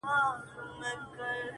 په زړه سوي به یې نېکمرغه مظلومان سي!.